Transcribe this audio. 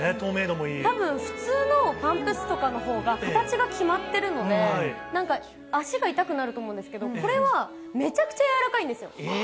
むしろ普通のパンプスとかのほうが形が決まってるので、なんか足が痛くなると思うんけど、これは、めちゃくちゃ軟らかいんですよ。